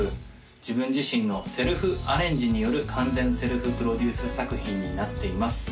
自分自身のセルフアレンジによる完全セルフプロデュース作品になっています